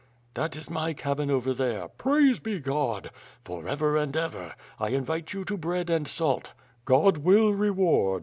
"That is my cabin over there." "Praise be God!" "For ever and ever! I invite you to bread and salt." "God will reward."